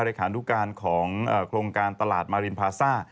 เลขานุการของโครงการตลาดมารินพาซ่า